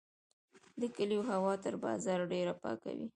د کلیو هوا تر بازار ډیره پاکه وي.